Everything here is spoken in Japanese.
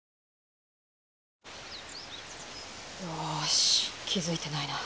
よし気付いてないな。